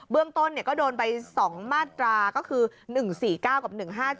เรื่องต้นก็โดนไป๒มาตราก็คือ๑๔๙กับ๑๕๗